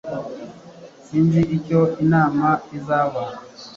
Sinzi icyo inama izaba